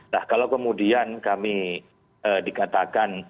nah kalau kemudian kami dikatakan